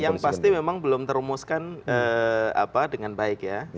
yang pasti memang belum terumuskan dengan baik ya